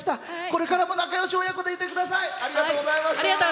これからも仲よし親子でいてください。